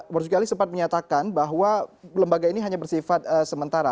marzuki ali sempat menyatakan bahwa lembaga ini hanya bersifat sementara